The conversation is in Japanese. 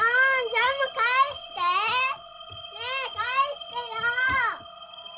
ジャムかえして！ねえかえしてよ！